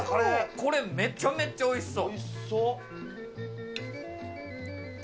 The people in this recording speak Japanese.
これ、めちゃめちゃおいしそう。